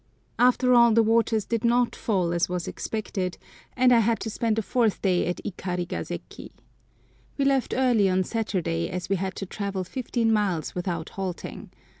AFTER all the waters did not fall as was expected, and I had to spend a fourth day at Ikarigaseki. We left early on Saturday, as we had to travel fifteen miles without halting.